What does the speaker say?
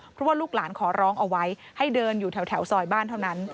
เพราะว่าลูกหลานขอร้องเอาไว้ให้เดินอยู่แถวซอยบ้านเท่านั้น